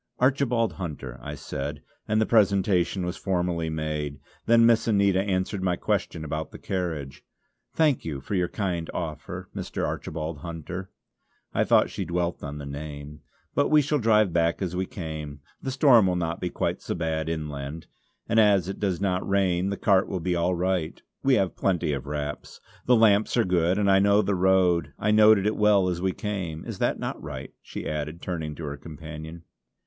"Archibald Hunter" I said, and the presentation was formally made. Then Miss Anita answered my question about the carriage: "Thank you for your kind offer, Mr. Archibald Hunter" I thought she dwelt on the name, "but we shall drive back as we came. The storm will not be quite so bad inland, and as it does not rain the cart will be all right; we have plenty of wraps. The lamps are good, and I know the road; I noted it well as we came. Is not that right?" she added, turning to her companion.